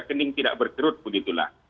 kening tidak berkerut begitulah